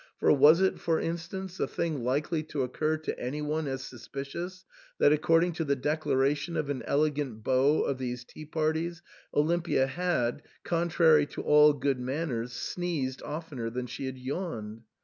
For was it, for instance, a thing likely to occur to any one as sus picious that, according to the declaration of an elegant beau of these tea parties, Olimpia had, contrary to all good manners, sneezed oftener than she had yawned